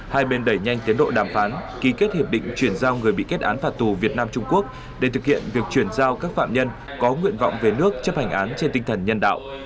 hai bên đẩy nhanh tiến độ đàm phán ký kết hiệp định chuyển giao người bị kết án phạt tù việt nam trung quốc để thực hiện việc chuyển giao các phạm nhân có nguyện vọng về nước chấp hành án trên tinh thần nhân đạo